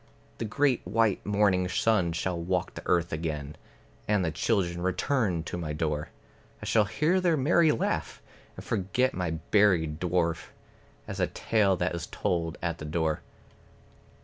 The great white morning sun shall walk the earth again, And the children return to my door, I shall hear their merry laugh, and forget my buried dwarf, As a tale that is told at the door.